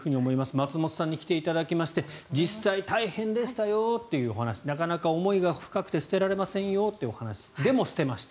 松本さんに来ていただきまして実際大変でしたよというお話なかなか思いが深くて捨てられませんよというお話でも、捨てました。